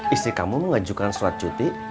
istri kamu mengajukan surat cuti